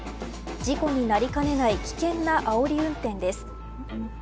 事故になりかねない危険なあおり運転です。